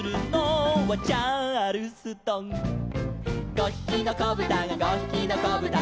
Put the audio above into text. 「５ひきのこぶたが５ひきのこぶたが」